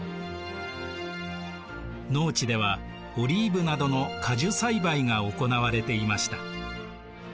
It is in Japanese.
農地ではオリーブなどの果樹栽培が行われていました。